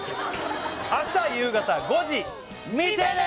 明日夕方５時見てねー！